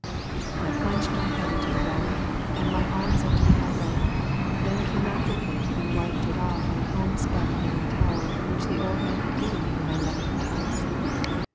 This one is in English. I plunged my head into the water, and my arms up to the elbows, then came out dripping and wiped it off on a homespun linen towel which the old man had given me when I left the house.